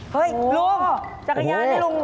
เฮ้ยลุงจักรยานให้ลุง